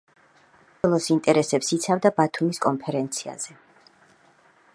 საქართველოს ინტერესებს იცავდა ბათუმის კონფერენციაზე.